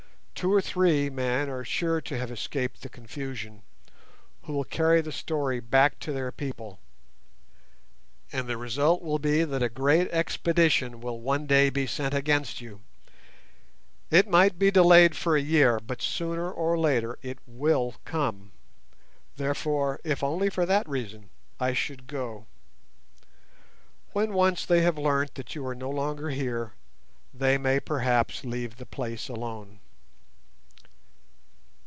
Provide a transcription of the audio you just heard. Two or three men are sure to have escaped the confusion who will carry the story back to their people, and the result will be that a great expedition will one day be sent against you. It might be delayed for a year, but sooner or later it will come. Therefore, if only for that reason, I should go. When once they have learnt that you are no longer here they may perhaps leave the place alone."